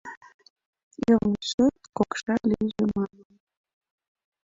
Йылмешет кокша лийже, — манын.